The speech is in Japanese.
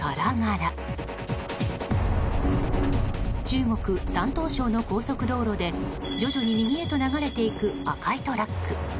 中国・山東省の高速道路で徐々に右へと流れていく赤いトラック。